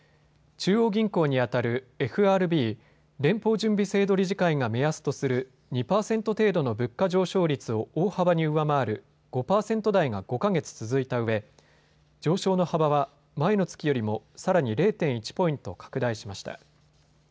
中央銀行にあたるＦＲＢ・連邦準備制度理事会が目安とする２％程度の物価上昇率を大幅に上回る５％台が５か月続いたうえ上昇の幅は前の月よりもさらに０．１ポイント拡大しました。